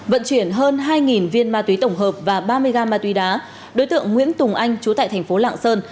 vận chuyển hơn hai viên ma túy tổng hợp và ba mươi gam ma túy đá đối tượng nguyễn tùng anh chú tại thành phố lạng sơn